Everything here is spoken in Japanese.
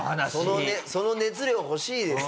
その熱量欲しいですね。